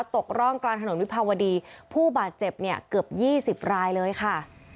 ตกร่องกลางถนนวิภาวดีผู้บาดเจ็บเนี่ยเกือบ๒๐รายเลยค่ะ